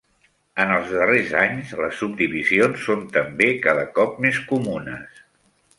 En els darrers anys, les subdivisions són també cada cop més comunes.